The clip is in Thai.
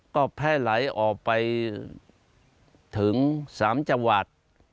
ก็แพร่ไหลออกไปถึง๓จังหวัด